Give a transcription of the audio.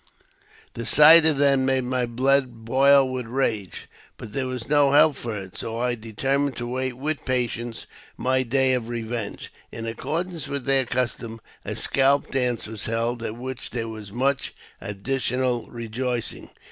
The sight of them made my blood boil with rage ; but there was no help for it, so I determined to wait with patience my day of revenge. In accordance with their custom, a scalp dance was held, at which there was much additional re joicing.